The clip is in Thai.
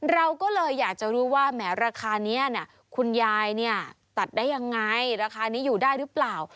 เราก็เลยอยากจะรู้ว่าแหมราคานี้คุณยายเนี่ยตัดได้ยังไงราคานี้อยู่ได้หรือเปล่า